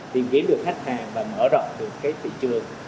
tìm kiếm được khách hàng và mở rộng được cái thị trường